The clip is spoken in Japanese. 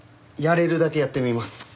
やれるだけやってみます。